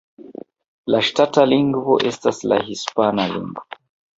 La ŝtata lingvo estas la hispana lingvo.